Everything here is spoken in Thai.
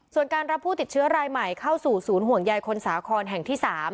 ส่วนการรับผู้ติดเชื้อรายใหม่เข้าสู่ศูนย์ห่วงใยคนสาครแห่งที่๓